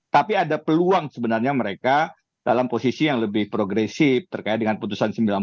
tapi ada peluang sebenarnya mereka dalam posisi yang lebih progresif terkait dengan putusan sembilan puluh empat